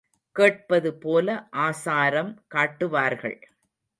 கேட்பதுபோல ஆசாரம் காட்டுவார்கள்.